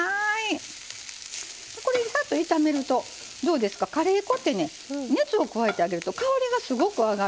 ぱっと炒めるとどうですかカレー粉ってね熱を加えてあげると香りがすごく上がるの。